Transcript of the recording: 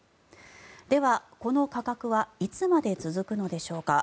では、この価格はいつまで続くのでしょうか。